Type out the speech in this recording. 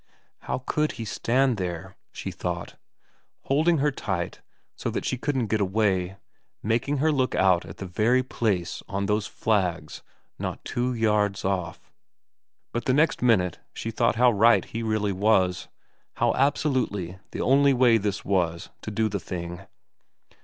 How could he stand there, she thought, holding her tight so that she couldn't get away, making her look out at the very place on those flags not two yards off. ... But the next minute she thought how right he really was, how absolutely the only way this was to do the thing.